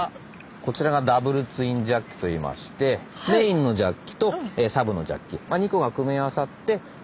こちらがダブルツインジャッキといいましてメインのジャッキとサブのジャッキ２個が組み合わさって動くというシステムになります。